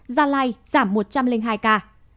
gia lai giảm một trăm linh hai ca